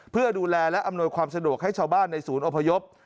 เพื่อดูแลและอำนวยความสะดวกให้ชาวบ้านในศูนย์อพยพ